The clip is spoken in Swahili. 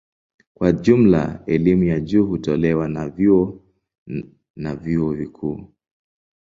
Kwa jumla elimu ya juu hutolewa na vyuo na vyuo vikuu.